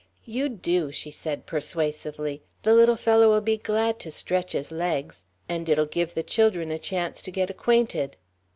You do," she said persuasively; "the little fellow'll be glad to stretch his legs. And it'll give the children a chance to get acquainted."